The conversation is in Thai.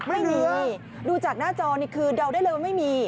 ไม่มีดูจากหน้าจอนี่คือเดาได้เลยว่าไม่มี